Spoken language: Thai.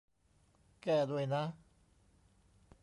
แก้ด้วยนะ